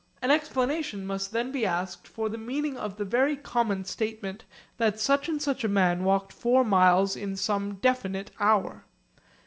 An explanation must then be asked for the meaning of the very common statement that such and such a man walked four miles in some definite hour.